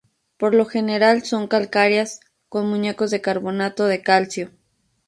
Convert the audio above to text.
Por lo general son calcáreas, con muñecos de carbonato de calcio.